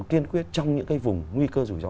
kiên quyết trong những cái vùng nguy cơ rủi ro